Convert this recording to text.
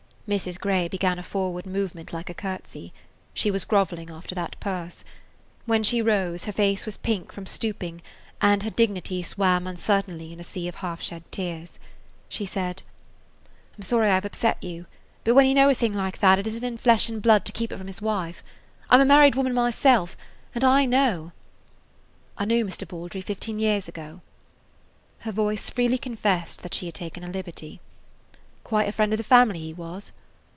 Mrs. Grey began a forward movement like a curtsy. She was groveling after that purse. When she rose, her face was pink from stooping, and her dignity swam uncertainly in a sea of half shed tears. She said: "I 'm sorry I 've upset you. But when you know a thing like that it is n't in flesh and blood to keep it from his wife. I am a married woman myself, and I [Page 28] know. I knew Mr. Baldry fifteen years ago." Her voice freely confessed that she had taken a liberty. "Quite a friend of the family he was."